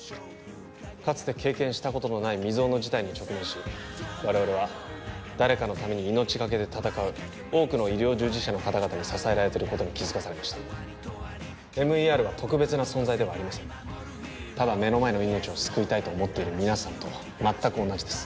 かつて経験したことのない未曽有の事態に直面し我々は誰かのために命がけで闘う多くの医療従事者の方々に支えられてることに気づかされましたＭＥＲは特別な存在ではありませんただ目の前の命を救いたいと思っている皆さんと全く同じです